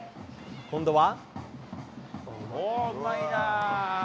今度は。